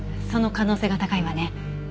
その可能性が高いわね。